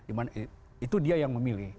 itu dia yang memilih